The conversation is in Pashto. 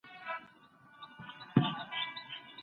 که ته په ډېرو ژبو پوه سې څېړنه به دي پخه وي.